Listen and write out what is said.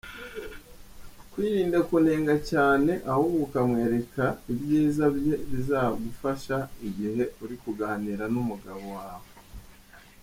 Kwirinda kunenga cyane ahubwo ukamwereka ibyiza bye bizagufasha igihe uri kuganira n’umugabo wawe.